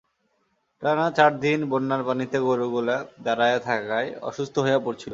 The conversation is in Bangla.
টানা চার দিন বন্যার পানিতে গরুগুল্যা দাঁড়ায়া থাকায় অসুস্থ হয়া পড়ছিল।